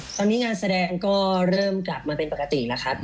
ตอนนี้งานแสดงก็เริ่มกลับมาเป็นปกติแล้วครับ